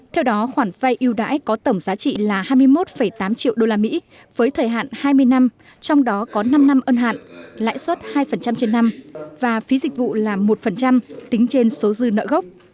theo đó khoản vai ưu đãi có tổng giá trị là hai mươi một tám triệu đô la mỹ với thời hạn hai mươi năm trong đó có năm năm ân hạn lãi suất hai trên năm và phí dịch vụ là một tính trên số dư nợ gốc